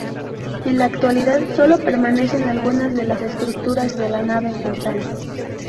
En la actualidad sólo permanecen algunas de las estructuras de la nave central.